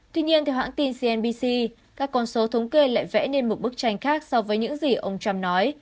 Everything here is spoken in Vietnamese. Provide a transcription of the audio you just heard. tuy nhiên theo hãng tin cnbc các con số thống kê lại vẽ nên một bức tranh khác so với những gì ông trump nói